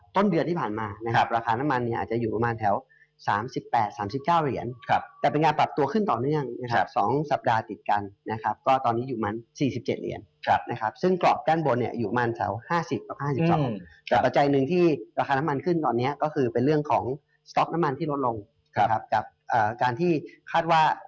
ต้นเดือนที่ผ่านมานะครับราคาน้ำมันเนี่ยอาจจะอยู่ประมาณแถว๓๘๓๙เหรียญแต่เป็นการปรับตัวขึ้นต่อเนื่องนะครับ๒สัปดาห์ติดกันนะครับก็ตอนนี้อยู่มัน๔๗เหรียญนะครับซึ่งกรอบด้านบนเนี่ยอยู่มันแถว๕๐กับ๕๒แต่ปัจจัยหนึ่งที่ราคาน้ำมันขึ้นตอนนี้ก็คือเป็นเรื่องของสต๊อกน้ำมันที่ลดลงนะครับกับการที่คาดว่า